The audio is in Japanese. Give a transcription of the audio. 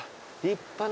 立派！